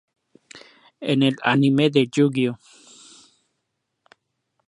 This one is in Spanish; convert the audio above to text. En el anime de Yu-Gi-Oh!